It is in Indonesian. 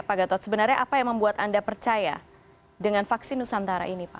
pak gatot sebenarnya apa yang membuat anda percaya dengan vaksin nusantara ini pak